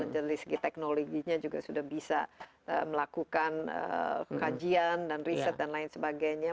jadi dari segi teknologinya juga sudah bisa melakukan kajian dan riset dan lain sebagainya